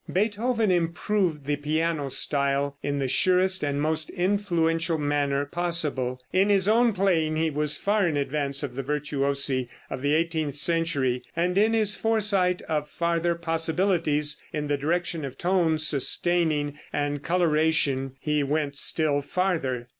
Beethoven improved the piano style in the surest and most influential manner possible. In his own playing he was far in advance of the virtuosi of the eighteenth century, and in his foresight of farther possibilities in the direction of tone sustaining and coloration he went still farther.